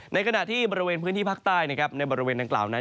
ในขณะที่บริเวณพื้นที่ภาคใต้นะครับในบริเวณดังกล่าวนั้น